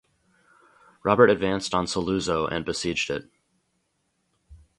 Robert advanced on Saluzzo and besieged it.